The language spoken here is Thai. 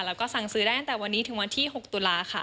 แล้วก็สั่งซื้อได้ตั้งแต่วันนี้ถึงวันที่๖ตุลาค่ะ